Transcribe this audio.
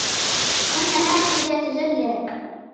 وَالنَّهَارِ إِذَا تَجَلَّى